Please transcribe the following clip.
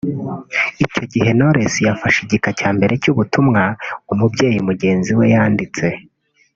Icyo gihe Knowless yafashe igika cya mbere cy’ubutumwa umubyeyi mugenzi we yanditse